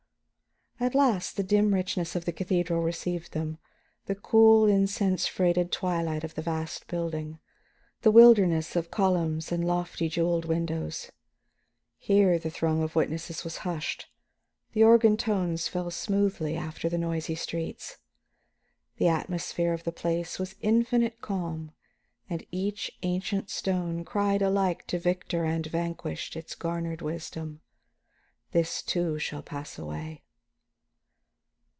At last the dim richness of the cathedral received them, the cool, incense freighted twilight of the vast building, the wilderness of columns and lofty jeweled windows. Here the throng of witnesses was hushed, the organ tones fell soothingly after the noisy streets. The atmosphere of the place was infinite calm, and each ancient stone cried alike to victor and vanquished its garnered wisdom: "This, too, shall pass away."